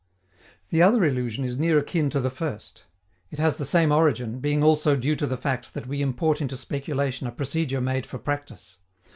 The other illusion is near akin to the first. It has the same origin, being also due to the fact that we import into speculation a procedure made for practice.